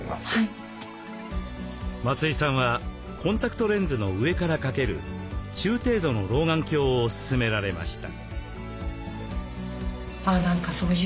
松井さんはコンタクトレンズの上から掛ける中程度の老眼鏡を勧められました。